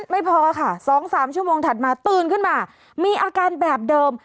ไม่พอค่ะ๒๓ชั่วโมงถัดมาตื่นขึ้นมามีอาการแบบเดิม